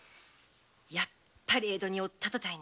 やっぱり江戸におったとたいね。